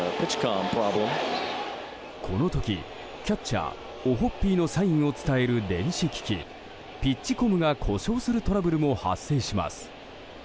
この時、キャッチャーオホッピーのサインを伝える電子機器ピッチコムが故障するトラブルも発生します。